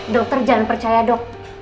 dokter jangan percaya dok